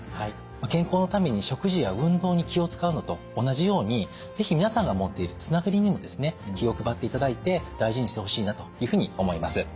健康のために食事や運動に気を遣うのと同じように是非皆さんが持っているつながりにもですね気を配っていただいて大事にしてほしいなというふうに思います。